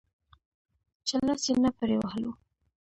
چې لاس يې نه پرې وهلو.